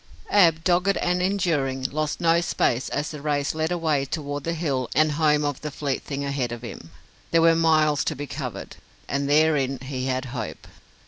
Ab, dogged and enduring, lost no space as the race led away toward the hill and home of the fleet thing ahead of him. There were miles to be covered, and therein he had hope.